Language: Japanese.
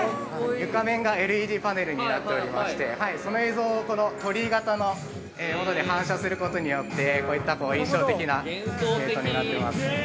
◆床面がＬＥＤパネルになっておりましてその映像を、この鳥居型のもので反射することによってこういった印象的なゲートになってます。